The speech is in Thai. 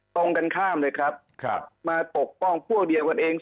ตรงกันข้ามเลยครับมาปกป้องพวกเดียวกันเอง